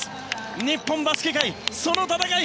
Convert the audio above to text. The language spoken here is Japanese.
日本バスケ界、その戦い